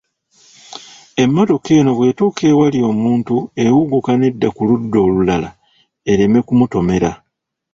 Emmotoka eno bw'etuuka ewali omuntu ewuguka nedda ku ludda olulala ereme kumutomera.